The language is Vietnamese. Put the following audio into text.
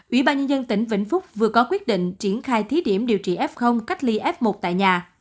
ủy ban nhân dân tỉnh vĩnh phúc vừa có quyết định triển khai thí điểm điều trị f cách ly f một tại nhà